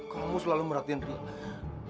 kamu selalu merhatiin lia